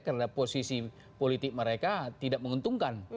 karena posisi politik mereka tidak menguntungkan